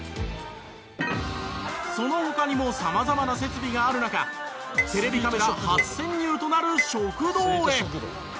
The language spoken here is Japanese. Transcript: その他にもさまざまな設備がある中テレビカメラ初潜入となる食堂へ。